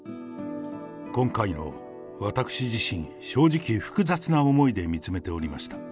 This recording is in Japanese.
今回の私自身、正直、複雑な思いで見つめておりました。